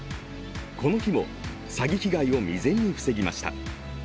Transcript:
この日も詐欺被害を未然に防ぎました。